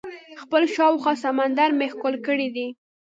خپل شاوخوا سمندر مې ښکل کړی دئ.